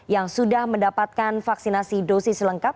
yang sudah mendapatkan vaksinasi dosis lengkap